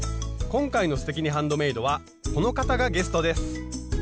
今回の「すてきにハンドメイド」はこの方がゲストです。